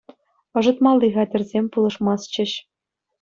Ӑшӑтмалли хатӗрсем пулӑшмастчӗҫ.